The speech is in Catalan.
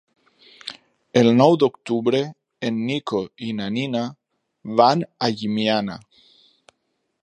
El nou d'octubre en Nico i na Nina van a Llimiana.